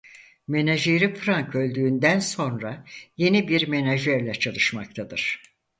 Menajeri Frank öldüğünden sonra yeni bir menajerle çalışmaktadır.